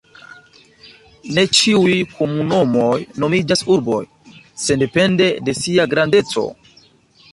Ne ĉiuj komunumoj nomiĝas urboj, sendepende de sia grandeco.